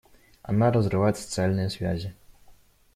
Она разрывает социальные связи.